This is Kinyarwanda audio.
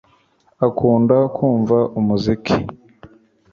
Akunda kumva umuziki